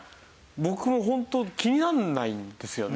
僕ホント気にならないんですよね。